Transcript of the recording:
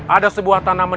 ada sebuah tanaman